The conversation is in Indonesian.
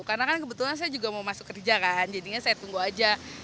karena kan kebetulan saya juga mau masuk kerja kan jadinya saya tunggu aja